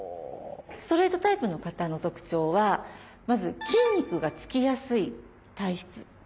ストレートタイプの方の特徴はまず筋肉が付きやすい体質